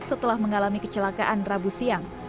setelah mengalami kecelakaan rabu siang